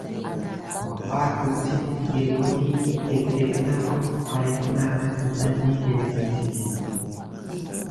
Məpbassitsəm migilmə vi ɗyi téctéc naməŋ, may mənatə nannéckéne sit zitti.